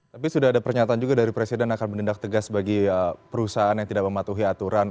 tapi sudah ada pernyataan juga dari presiden akan menindak tegas bagi perusahaan yang tidak mematuhi aturan